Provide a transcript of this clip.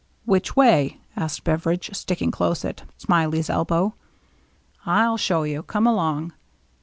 "Which way?" asked Beveridge, sticking close at Smiley 's elbow. " I'll show you ; come along."